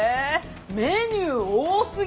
メニュー多すぎ！